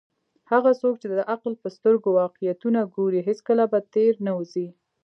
هغه څوک چې د عقل په سترګو واقعیتونه ګوري، هیڅکله به تیر نه وزي.